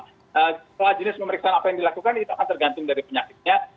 setelah jenis pemeriksaan apa yang dilakukan itu akan tergantung dari penyakitnya